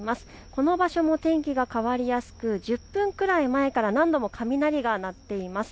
この場所の天気も変わりやすく１０分前ぐらいから何度も雷が鳴っています。